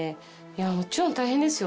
もちろん大変ですよ